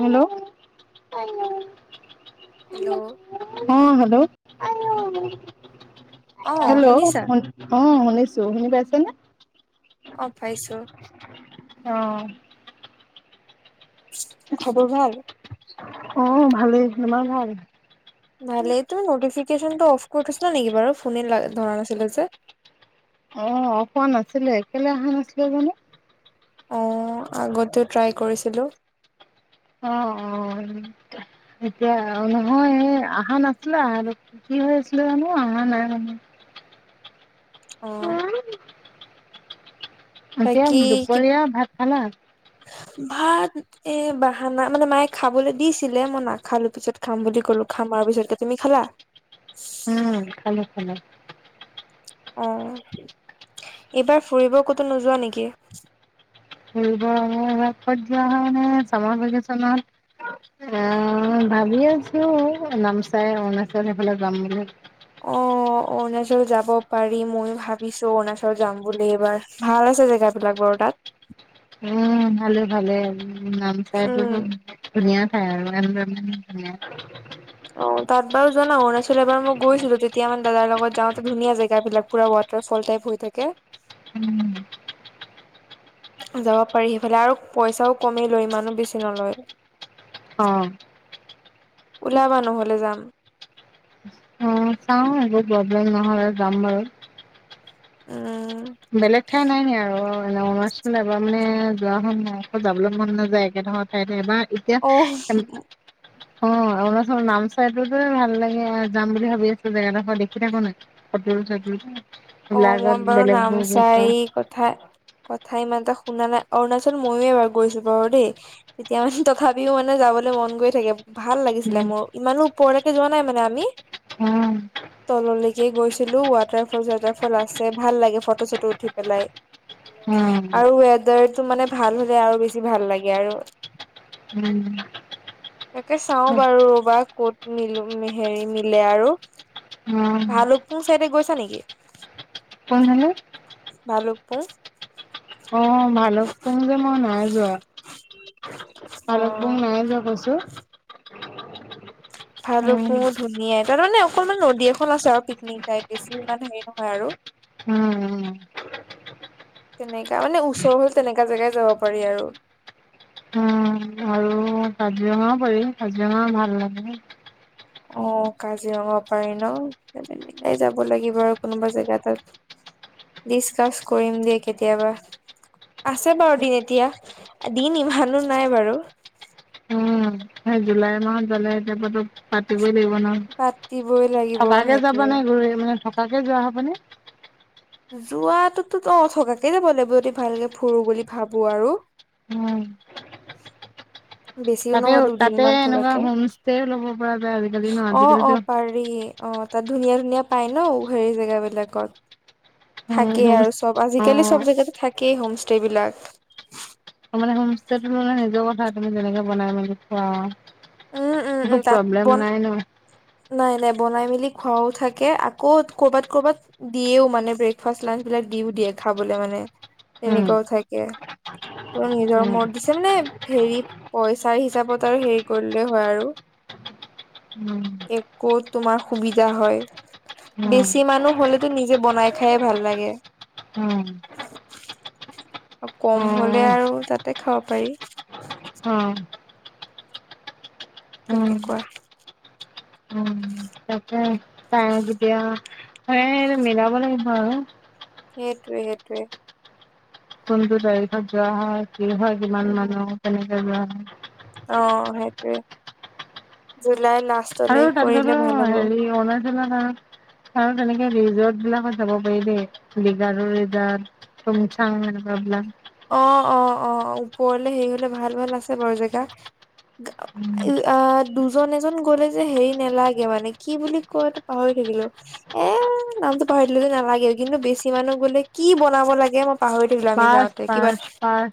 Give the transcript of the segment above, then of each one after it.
Hello hello অ hello অ hello শুনিছা শু অ শুনিছো শুনি পাইছে ন অ পাইছো অ খবৰ ভাল অ ভালেই তোমাৰ ভাল নহলে তুমি নটিফিকন অফ কৰি থছ না নেকি বাৰু ফোনে ধৰা নাছিল যে অ খোৱা নাছিলে একলে অহা নাছিলে জানো অ আগতেো ট্ৰাই কৰিছিলো অ অ এতিয়া নহয় অহা নাছিলা আৰু কি হৈ আছিলো জানো অ নাই আহ মানে এতিয়া কি দুপৰীয়া ভাত খালা ভাত এ বাহানা মানে মায়ে খাবলৈ দিছিলে মই নাখালো পিছত খাম বুলি ক'লো খামা তাৰ পিছতকে তুমি খালা উম খালো খালো অ এইবাৰ ফুৰিব ক'তো নোযোৱা নেকি [inaudible] অ ভাবি আছো নামচাই অৰুণাচল সেইফালে যাম বুলি অ অৰুণাচল যাব পাৰি মইয়ো ভাবিছো অৰুণাচল যাম বুলি এইবাৰ ভাল আ জেগাবিলাক বাৰু তাত উ ভালে ভালে নামচাইটোো উম ধুনীয়া অ অ তাত বাৰু যোৱা ন অৰুণাচল এবাৰ মই গৈছিলো তেতিয়া মানে দাদাৰ লগত যাওঁতে ধুনীয়া জেগাব বিিলাক পুৰা ৱাটাৰফল টাইপ হৈ থাকে উম [inaudible] যাব পাৰি সেইফালে আৰু পইচাও কমি লৈ ইমানো বেছি নলয় অ ওলাবা নহলে যাম অ চাও একো প্ৰব্লেম নহয় যাম বাৰু উম বেলেগ ঠাই নাই ন আৰু এনে অৰুণাচল এবাৰ মানে যোৱা [unintelligible] আকৌ যাবলৈ মন নাযায় একে ধৰৰ ঠাইতে এবাৰ এতিয়া অ [unintelligible] অ অৰুণাচলৰ নামচাইটোতে ভাল লাগে আৰু যাম বুলি ভাবি আছো জেগাডোখৰ দেখি থাকো নাই সেই ফটোত অ মই [unintelligible] [unintelligible] বেলেগ [unintelligible] কথা কথা ইমান এটা [unintelligible] অৰুণাচল ময়ো এবাৰ গৈছো বাৰু দেই তেতিয়া মানে তথাপিও মানে যাবলৈ মন গৈ থাকে ভাল লাগিছিলে মোৰ ইমানো ওপৰলৈকে যোৱা নাই মানে আমি উম তললৈকে গৈছিলো ৱাটাৰ ফল চৱাটাৰ ফল আছে ভাল লাগে ফটো চটো উঠি পেলাই আৰু ৱেডাৰটো মানে ভাল হলে আৰু বেছি ভাল লাগে আৰু [inaudible] তাকে চাওঁ কোনফালে বাৰু ৰবা কত মিলো হেৰি মিলে আৰু ভালুকপুং চাইডে গৈছা নেকি ভালুকপুং অ ভালুকপুং যে মই নাই যোৱা অ ভালুকপুং নাই যোৱা কৈছো উম ভালুকপুং ধুনীয়া তাৰ মানে অকনমান নদী এখন আছে আৰু পিকনিক টাইপ বেছি ইমান হেৰি নহয় আৰু উম তেনেকা মানে ওচৰ হ'ল তেনেকা জেগাই যাব পাৰি আৰু উম আৰু কাজিৰঙাও পৰিল কাজিৰঙা ভাল লাগে অ কাজিৰঙা পাৰি ন মিলাই যাব লাগিব আৰু কোনোবা জেগা তাত ডিচকাচ কৰিম দে কেতিয়াবা আছে বাৰু দিন এতিয়া দিন ইমানো নাই বাৰু উম সেই জুলাই মাহত গলে [unintelligible] পাতি [unintelligible] ন পাতিবই লাগিব থকাকে যাব সেইটোৱে নে গুৰি আহিবা থকাকে যোৱা হ'বনি যোৱাটোতো অ থকাকে যাব লাগিব যদি ভালকে ফুৰো বুলি ভাবো আৰু উ [unintelligible] বেছিও নহয় দুদিন মান থকাকে হোম ষ্টেও ল'ব পৰা যায় আজিকালি ন অ অ আজিকালিতো পাৰি অ তাত ধুনীয়া ধুনীয়া পাই ন সেইৰি জেগাবিলাকত থাকেই হোম আৰু চব অ আজিকালি চব জেগাতে থাকেই হোম ষ্টে বিলাক হম [unintelligible] নিজৰ কথা তুমি যেনেকে বনাই মেলি খোৱা উম উম উম একো তাত প্ৰব্লেম বন নাই ন নাই নাই বনাই মেলি খোৱাও থাকে আকৌ কৰ'বাত কৰ'বাত দিয়েও মানে ব্ৰেকফাষ্ট লাঞ্চ [unintelligible] বিলাক দিও দিয়ে খাবলৈ মানে উম এনেকোৱাও থাকে তোৰ নিজৰ উম [unintelligible] [unintelligible] নে হেৰিত পইচাৰ হিচাপত আৰু হেৰি কৰিলে হয় আৰু উম একো তোমাৰ সুবিধা হয় উম বেছি মানুহ হলেতো নিজে বনাই খাইয়ে ভাল লাগে উম আৰু অ কম হলে আৰু তাতে খাব পাৰি অ উম তেনেকুৱা [unintelligible] এনে মিলাব লাগিব আৰু সেইটোৱে সেইটোৱে কোনটো তাৰিখত যোৱা হয় কি হয় কিমান উম, মানুহ কেনেকে যোৱা হয় অ সেইটোৱে জুলাই লাষ্টলে আৰু কৰিলে তাৰপিছতো ভাল হ'ব। হেৰি অনাই [unintelligible] আৰু তেনেকে ৰিজৰ্ট বিলাকত যাব পাৰি দেই লিগাৰু ৰিজৰ [unintelligible] এনেকুৱা বিলাক অ', অ', অ', পৰলে হেৰি হলে ভাল ভাল আছে বাৰু জেগা। আ দুজন এজন গলে যে হেৰি নেলাগে মানে কি বুলি কয়টো পাহৰি থিলো এ নামতটো পাহৰি দিলো নালাগেও কিন্তু বেছি মানুহ গ'লে কি বনাব লাগে মই পাহৰি থিলো আমি যাওঁ। পাৰ্ক কিবা পাৰ্ক পাৰ্ক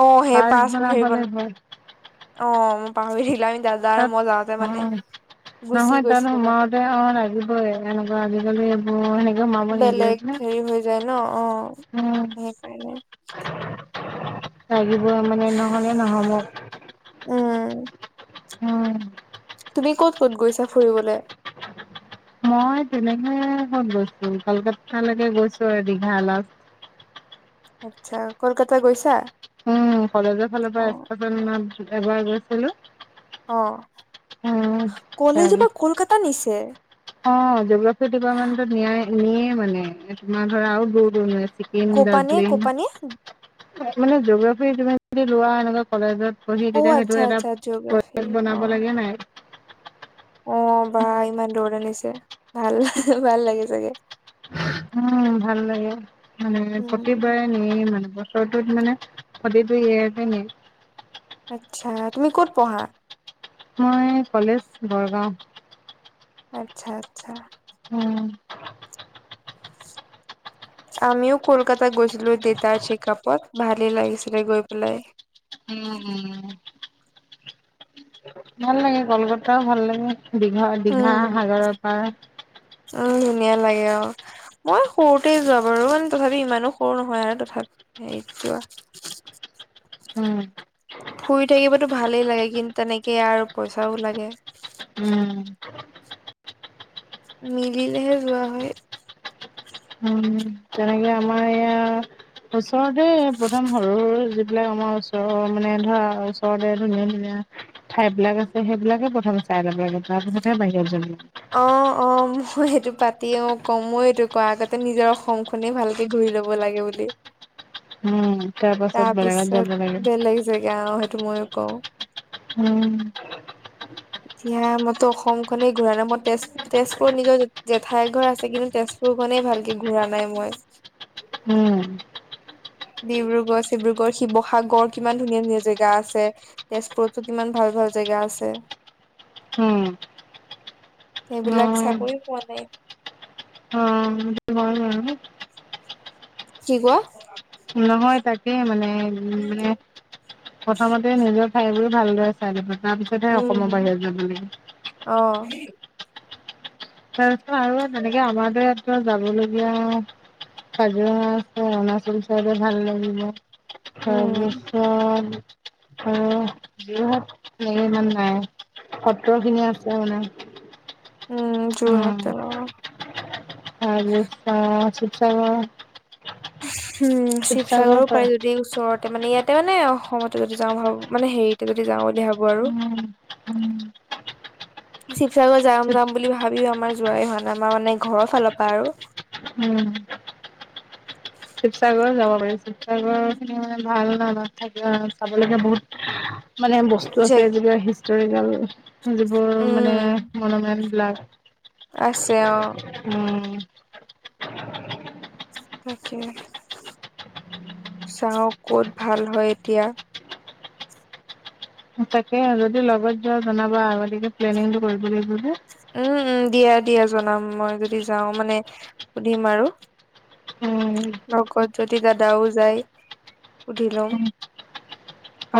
অ সেই পাৰ্ক পাছ বনাব পহৰিবন লাগিব অ', মই পাহৰি দিলো আমি দাদা আৰু তাত মই যাওঁতে অ মানে গুচি নহয় ত গৈছিলো মানে সোমাওতে অ লাগিবই এনেকুৱা আজিকালি এইবোৰ সেনে বেলেগ হেৰি হৈ যায় ন উম অ সেইকাৰণে। লাগিব মানে নহ'লে নহ'ম। উম'। উম'। তুমি ক'ত ক'ত গৈছা ফুৰিবলৈ? মই তেনেকে কত গৈছো কলকাতালৈকে গৈছো আৰু দীঘা ল আচ্ছা কলকাতা গৈছা? উম কলেজৰ ফালৰ অ পৰা এবাৰ গৈছিলো। অ উম কলেজো তাৰপিছত পৰা কলকাতা নিছে। অ', জিগ্ৰাফী ডিপাৰ্টমেন্টত নাই নিয়ে মানে তোমাৰ ধৰা আৰু দূৰ দূৰণ হৈ আছে কপানে কপানে [unintelligible] মানে জগ্ৰাফি তমি যদি লোৱা এনেুৱা কলেজত পঢ়ি, অ তেতিয়া সেইটো আচ্ছা এটা আচ্ছা জিঅ'গ্ৰাফি প্ৰজেক্ট অ বনাব লাগে নাই? ভাল-ভাল, ভাল লাগে চাগে। উম' ভাল লাগে মানে উম প্ৰতিবাৰে নিয়েই মানে- বছৰটোত মানে প্ৰতিটো ইয়াৰতে নিয়ে। আচ্ছা! তুমি ক'ত পঢ়া? মই কলেজ বৰগাঁও। আচ্ছা-আচ্ছা। উম'। আমিও কলকাতা গৈছিলো দেতাৰ চেকআপত ভালেই লাগিছিলে গৈ পেলাই। উম উম। ভাল লাগে কলকাতাও ভাল লাগে দীঘা, দীঘা সাগৰৰ পাৰ- উ', ধুনীয়া লাগে অ মই সৰুতে যোৱা বাৰু মানে তথাপি ইমানো সৰু নহয় আৰু তথা- সেইটোৱা। উম ফুৰি থাকিবতো ভালেই লাগে কিন্তু তেনেকেই আৰু পইচাও লাগে। উম মিলিলেহে যোৱা হয়। উম তেনেকে আমাৰ এয়া ওচৰতে প্ৰথম সৰু-সৰু যি- বিলাক আমাৰ ওচৰৰ মানে ধৰা ওচৰতে ধুনীয়া-ধুনীয়া ঠাই বিলাক আছে সেইবিলাকে প্ৰথমে- চাই ল'ব লাগে। তাৰপিছতহে বাহিৰত যাবলাগে। অ', অ', মই সেটো পাতি অ' ক' মই এইটো কোৱা আগতে নিজৰ অসমখনে ভালকে ঘূ- ৰি ল'ব লাগে বুলি। উম তাৰ পাছত বেলেগত যাব তাৰপিছত লাগে বেলেগ জেগা, অ' সে- টো মইও কওঁ। উম'। এতিয়া মইতো অসম খনেই ঘূৰা নাই। ম' তেজ, তেজপুৰত নিজৰ জেঠাই ঘৰ আছে কিন্তু তেজ- পুৰখনেই ভালকে ঘূৰা নাই মই। উম'। ডিব্ৰুগড়-চিব্ৰুগড়, শিৱসাগৰ কিমান ধুনীয়া-ধুনীয়া জেগা আছে তেজপুৰততো কিমান ভাল ভাল জেগা আছে। উম'। সেইবিলাক উম, চাবই পোৱা নাই। উম, হয়, হয়, হয়। কি কোৱা? নহয় তাকেই মানে উ মানে প্ৰথমতে নিজৰ ঠাইবোৰ ভালদৰে চাই লবা তাৰ পিছতহে অসমৰ উম বাহিৰত যাব লাগে। অ তাৰপিছত আৰু ইয়াত তেনেকে আমাৰতো ইয়াত ত' যাবলগীয়া- কাজিৰঙা আছে, অৰুণাচল চাইডে ভাল লাগিব। উম তাৰপিছত অ' যোৰহাট ফালে ইমান নাই। সত্ৰ খিনি আছে মানে। উম উম। যোৰহাট তাৰপিছত শিৱসাগৰ উম' শিৱসাগৰ শিৱসাগৰো পাৰি যদি ওচৰতে মানে ইয়া- তে মানে অসমতে যদি যাওঁ ভাবো মানে হেৰিতে যদি যাওঁ বুলি ভাবো আৰু উম, উম, শিৱ সাগৰ যাম শিৱ যাম বুলি ভাবিও আমাৰ যোৱাই হোৱা নাই। আমাৰ মানে ঘৰৰ ফালৰ পৰা আৰু উম'। শিৱসাগৰ যাব পাৰি। শিৱসাগৰখিনি মানে ভাল ন' তাত থাকি চাবলগীয়া বহুত মানে বস্তু যে আছে যিবাক হিষ্টৰিকেল, যিবোৰ মানে উম মনুমেণ্ট আছে অ বিলাক উম'। তাকে, চাও কত ভাল হয় এতিয়া। তাকে যদি লগত যোৱা জনাবা। আগতীয়াকৈ প্লেনিংটো কৰিব লাগ যে। উম উম, দিয়া, দিয়া জনাম মই যদি যাওঁ মানে সুধিম আৰু। উম লগত যদি দাদাও যায় সুধি লম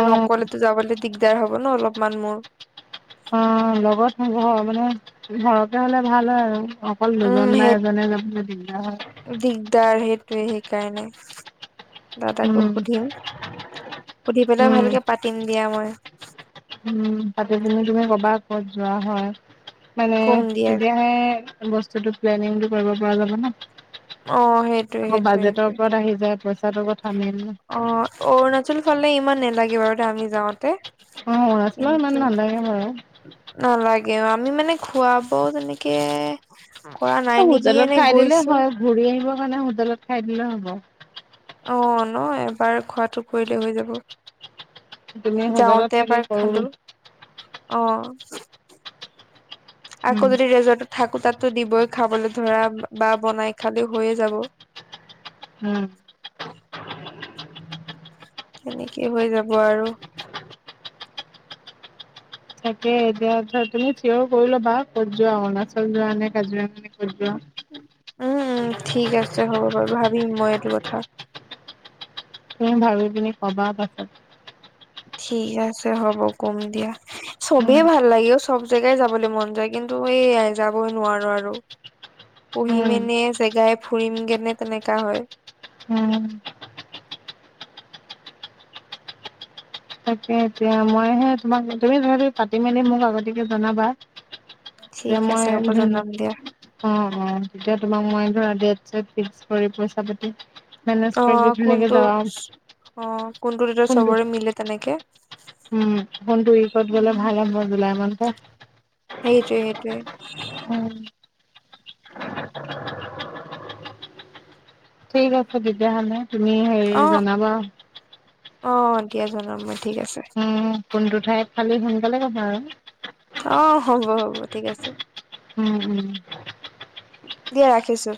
অ অকলেতো যাবলে দিগদাৰ হ'ব ন অলপমান মোৰ অ লগত হব মানে ঘৰকে হলে ভাল হয় আৰু অকল উম দুজন বা সেই এজনে যাব দিগদাৰ সেইটোোৱে সেইকাৰণে উম দাদাকো সুধিম সুধি পেলাই উম ভালকে পাতিম দিয়া মই উ পাতি পিনি তুমি ক'বাত ক'ত যোৱা হয় মানে কম দিয়া তেতিয়াহে বস্তুতটো প্লেনিংটো কৰিব পৰা যাব ন অ সেইটোৱে আ সেইটোৱে বাজেটৰ সেইটোৱে ওপৰত আহি যায় পইচা অ অৰুণাচল ফালে ইমান নালাগে বাৰু দে আমি যাওঁতে অ অৰুণাচলত ইমান কিন্তু নালাগে বাৰু নালাগে আমি মানে খুৱ বও তেনেকে কৰা নাই নেকি হোটেলত এনে খাই দিলে গৈছো হয় ঘূৰি আহিব কাৰণে হোটেলত খাই দিলে হ'ব অ ন এবাৰ খোৱাাতটো কৰিলেই হৈ তুমি যাব হোটেলত যাওঁতে থাকি এবাৰ কৰো খালো অ উম আকৌ যদি ৰেজৰ্টত থাকো তাতো দিব বৈ খাবলৈ ধৰা বা বনাই খালে হৈয়ে যাব উম তেনেকেই হৈ যাব আৰু তাকে এতিয়া ধৰা তুমি চঞৰ কৰি ল'বা ক'ত যোৱা অৰুণাচল যোৱা নে কাজিৰা নে ক'ত যোৱা উম ঠিক আছে হ'ব বাৰু ভাবিম মই এইটো কথা তুমি ভাবি পিনি কবা পাছত ঠিক আছে হ'ব কম দিয়া চবেই ভাল লাগে অ চব জেগাই যাবলৈ মন যায় কিন্তু মইয়াই যাবই নোৱাৰো আৰু উম পঢ়িমেনে জেগাই ফুৰিমগেনেে তেনেককাা হয় উম উম তাকে এতিয়া মইহে তোমাক তুমি যহ পাতি মেলি মোক আগতাকে জনাবা ঠিক তেয়া মই আছে হ'ব ধুন জনাম দিয়া অ অ তেতিয়া তোমাৰ মই ধৰা দে ত ফিক্স কৰি পইচা পাতি মেনেজ অ কৰি দি ধুনীয়াকে কোনটো যাবা অ কোনটো দেতিয়া চবৰে মিলে তেনেকে উম কোনটো উকত গ'লে ভাল হ'ব জুলাই মানটা সেইটোৱে সেইটোৱে উ ঠিক আছে তেতিয়াহলে তুমি অ হেৰি জনাবা অ দিয়া জনাম মই ঠিক আছে উম কোনটো ঠাইত খালি সোনকালে কবা আৰু অ হব হব ঠিক আছে উ উ দিয়া ৰাখিছো